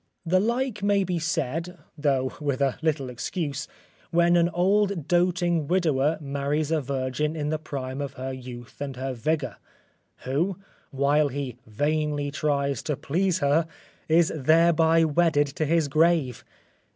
The like may be said, though with a little excuse, when an old doting widower marries a virgin in the prime of her youth and her vigour, who, while he vainly tries to please her, is thereby wedded to his grave.